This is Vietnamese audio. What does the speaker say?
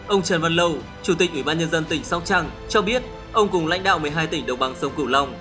ông trần văn lâu chủ tịch ủy ban nhân dân tỉnh sóc trăng cho biết ông cùng lãnh đạo một mươi hai tỉnh đồng bằng sông cửu long